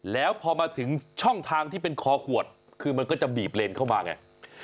แล้วพอมาถึงช่องทางที่เป็นคอขวดคือมันก็จะบีบเลนเข้ามาไง